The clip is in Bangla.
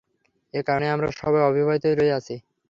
এ কারণেই আমরা সবাই অবিবাহিতই রয়ে আছি।